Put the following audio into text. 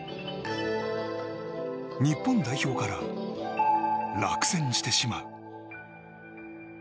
日本代表から落選してしまう。